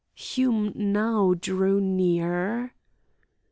Hume now drew near.